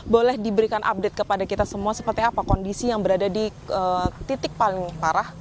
boleh diberikan update kepada kita semua seperti apa kondisi yang berada di titik paling parah